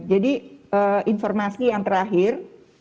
jadi informasi yang terakhir